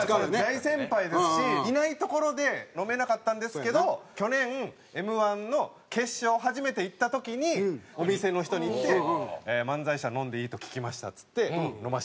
大先輩ですしいないところで飲めなかったんですけど去年Ｍ−１の決勝初めて行った時にお店の人に言って漫才師は飲んでいいと聞きましたっつって。